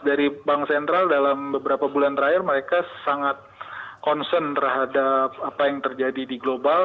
dari bank sentral dalam beberapa bulan terakhir mereka sangat concern terhadap apa yang terjadi di global